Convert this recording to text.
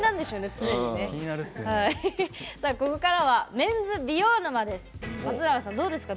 ここからはメンズ美容沼です。